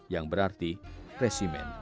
yang berarti resimen